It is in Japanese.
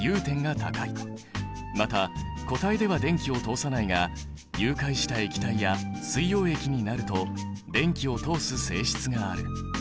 また固体では電気を通さないが融解した液体や水溶液になると電気を通す性質がある。